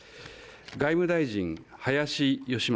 外務大臣、林芳正。